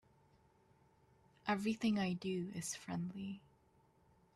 Everything I do is friendly.